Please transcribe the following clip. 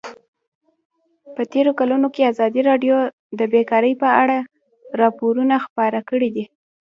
په تېرو کلونو کې ازادي راډیو د بیکاري په اړه راپورونه خپاره کړي دي.